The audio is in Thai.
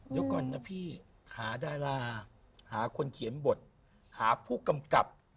เดี๋ยวก่อนนะพี่หาดาราหาคนเขียนบทหาผู้กำกับ